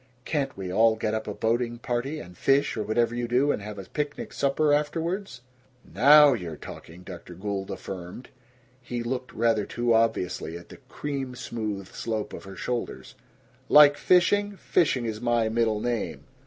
Can't we all get up a boating party, and fish, or whatever you do, and have a picnic supper afterwards?" "Now you're talking!" Dr. Gould affirmed. He looked rather too obviously at the cream smooth slope of her shoulder. "Like fishing? Fishing is my middle name.